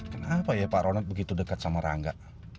kenapa ya pak ronald begitu dekat sama rangga